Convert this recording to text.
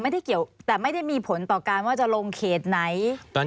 แต่ไม่ได้มีผลต่อการว่าจะลงเขตไหน